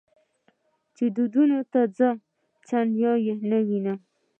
چې ودونو ته ځم چندان یې نه وینم.